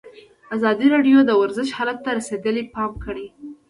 ازادي راډیو د ورزش حالت ته رسېدلي پام کړی.